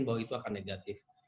bahwa itu akan negatif